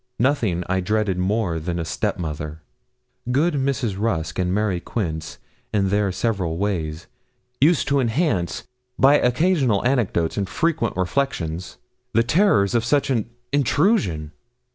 Nothing I dreaded more than a step mother. Good Mrs. Rusk and Mary Quince, in their several ways, used to enhance, by occasional anecdotes and frequent reflections, the terrors of such an intrusion.